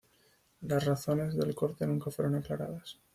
Las razones del corte nunca fueron aclaradas.